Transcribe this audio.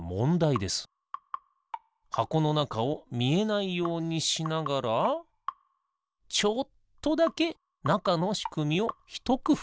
はこのなかをみえないようにしながらちょっとだけなかのしくみをひとくふう。